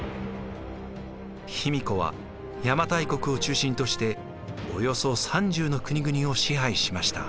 卑弥呼は邪馬台国を中心としておよそ３０の国々を支配しました。